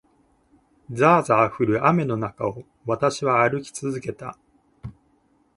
ざあざあ降る雨の中を、私は歩き続けた。